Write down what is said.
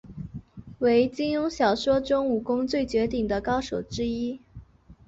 为金庸小说中武功最绝顶的高手之一。